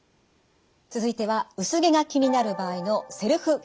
続いては薄毛が気になる場合のセルフケアです。